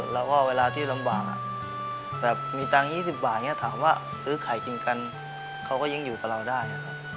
แล้วก็เวลาที่ลำบากแบบมีตังค์๒๐บาทถามว่าซื้อไข่กินกันเขาก็ยังอยู่กับเราได้